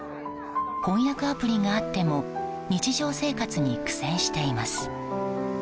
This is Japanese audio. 翻訳アプリがあっても日常生活に苦戦しています。